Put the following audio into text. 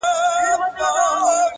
پردى اور تر واورو سوړ دئ.